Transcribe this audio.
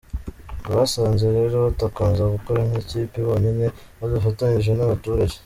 Ngo basanze rero batakomeza gukora nk’ikipe bonyine, badafatanyije n’abaturage.